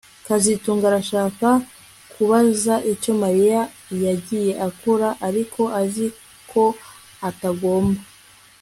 kazitunga arashaka kubaza icyo Mariya yagiye akora ariko azi ko atagomba